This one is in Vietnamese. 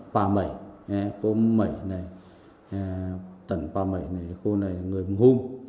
tà mạnh cô mạnh này tẩn tà mạnh này cô này người hùng hôn